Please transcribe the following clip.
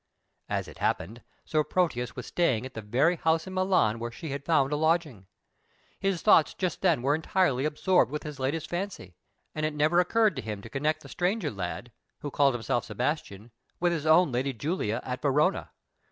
As it happened, Sir Proteus was staying at the very house in Milan where she had found a lodging. His thoughts just then were entirely absorbed with his latest fancy, and it never occurred to him to connect the stranger lad, who called himself Sebastian, with his own lady Julia at Verona.